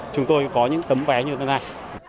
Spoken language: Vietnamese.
chúng tôi có những tấm vé như thế này